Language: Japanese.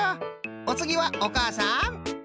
おつぎはおかあさん。